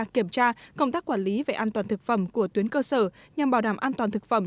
kiểm tra công tác quản lý về an toàn thực phẩm của tuyến cơ sở nhằm bảo đảm an toàn thực phẩm